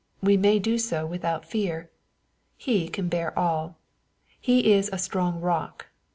We may do so without fear. He can bear all. He is a strong rock.